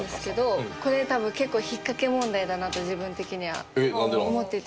これ多分結構引っかけ問題だなと自分的には思ってて。